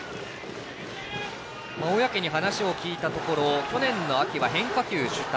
小宅に話を聞いたところ去年の秋は変化球主体。